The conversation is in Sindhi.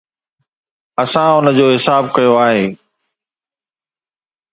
اسان ان جو حساب ڪيو آهي.